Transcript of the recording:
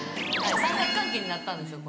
三角関係になったんですよ